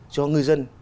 cho ngư dân